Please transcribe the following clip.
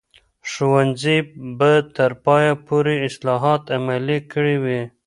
ښوونځي به تر پایه پورې اصلاحات عملي کړي وي.